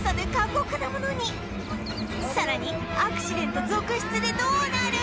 さらにアクシデント続出でどうなる！？